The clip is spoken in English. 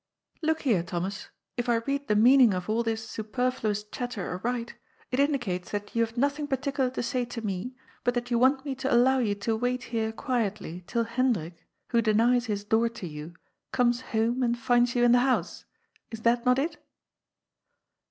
^^ Look here, Thomas, if I read the meaning of all this superfluous chatter aright, it indicates that you have nothing particular to say to me, but that you want me to allow you to wait here quietly till Hen drik, who denies his door to you, comes home and finds you in the house. Is that not it?